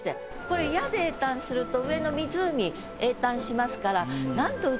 これ「や」で詠嘆すると上の湖詠嘆しますから。